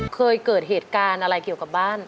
เคยเกิดเหตุการณ์อะไรเกี่ยวกับบ้าน